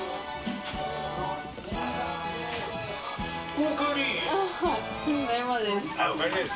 おかえりです。